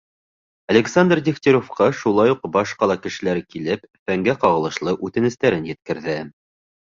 Александр Дегтяревҡа шулай уҡ баш ҡала кешеләре килеп, фәнгә ҡағылышлы үтенестәрен еткерҙе.